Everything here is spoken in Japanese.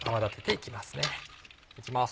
行きます。